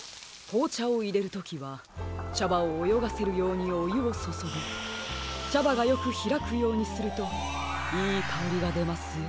こうちゃをいれるときはちゃばをおよがせるようにおゆをそそぎちゃばがよくひらくようにするといいかおりがでますよ。